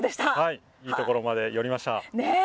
いいところまで寄りました。